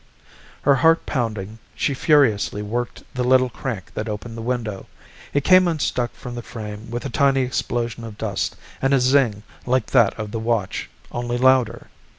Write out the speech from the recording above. Her heart pounding, she furiously worked the little crank that opened the window. It came unstuck from the frame with a tiny explosion of dust and a zing like that of the watch, only louder.